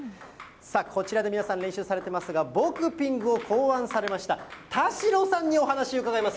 こちらで皆さん練習されてますが、ボクピングを考案されました田代さんにお話伺います。